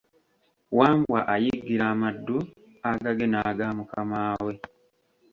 Wambwa ayiggira amaddu agage n’agamukamaawe.